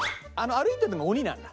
歩いてるのが鬼なんだ。